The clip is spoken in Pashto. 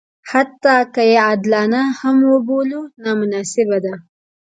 حتی که یې عادلانه هم وبولو نامناسبه ده.